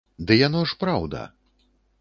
Ды яно ж праўда!